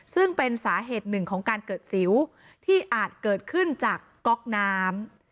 ซึ่งเป็นสาเหตุหนึ่งของการเกิดสิวที่อาจเกิดขึ้นจากก๊อกน้ำ